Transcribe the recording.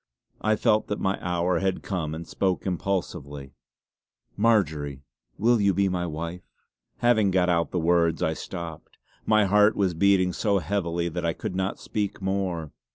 I felt that my hour had come and spoke impulsively: "Marjory, will you be my wife?" Having got out the words I stopped. My heart was beating so heavily that I could not speak more.